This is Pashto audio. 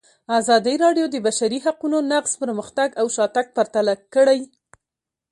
ازادي راډیو د د بشري حقونو نقض پرمختګ او شاتګ پرتله کړی.